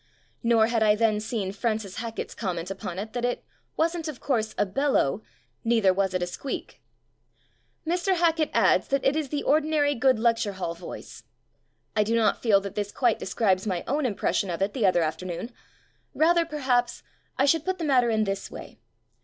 Nor had I then seen Fran cis Hackett's comment upon it that "it wasn't, of course, a beUow. Neither was it a squeak". Mr. Hackett adds that it is "the ordinary good lecture hall voice". I do not feel that this quite describes my own impression of it the other afternoon. Rather, per haps, I should put the matter in this way.